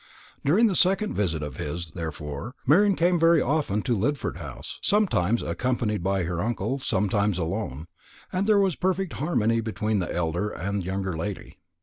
During this second visit of his, therefore, Marian came very often to Lidford House; sometimes accompanied by her uncle, sometimes alone; and there was perfect harmony between the elder and younger lady.